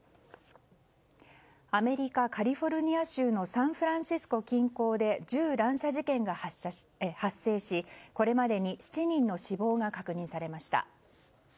アメリカ・カリフォルニア州のサンフランシスコ近郊で銃乱射事件が発生しこれまでに７人の死亡が確認されました。